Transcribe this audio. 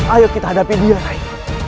ayo kita hadapi dia rai